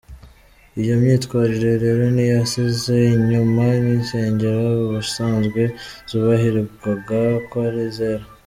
Iyo myitwarire rero ntiyasize inyuma n’insengero ubusanzwe zubahirwaga ko ari izera.